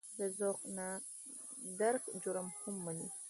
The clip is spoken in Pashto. د ذوق د نه درک جرم هم ومني.